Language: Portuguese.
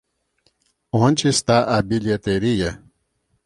Onde está a bilheteria?